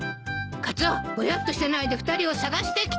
カツオぼやっとしてないで２人を捜してきて！